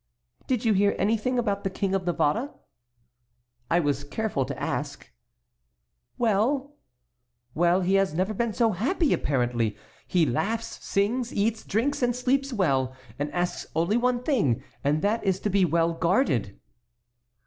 "Did you hear anything about the King of Navarre?" "I was careful to ask." "Well?" "Well, he has never been so happy, apparently; he laughs, sings, eats, drinks, and sleeps well, and asks only one thing, and that is to be well guarded."